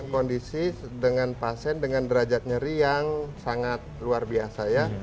kondisi dengan pasien dengan derajat nyeri yang sangat luar biasa ya